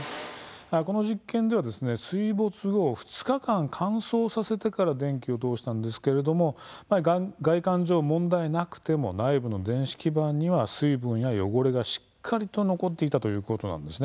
この実験では水没後２日間、乾燥させてから電気を通したんですけれども外観上、問題なくても内部の電子基板には水分や汚れがしっかりと残っていたということなんですね。